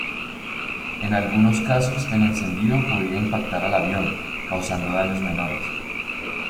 En algunos casos el encendido podía impactar al avión, causando daños menores.